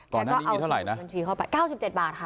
ตอนนั้นมีเท่าไรนะแกก็เอาสมุดบัญชีเข้าไปเก้าสิบเจ็ดบาทค่ะ